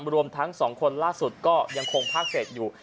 รวมทั้ง๒คนล่าสุดก็ยังคงภาคเศษอยู่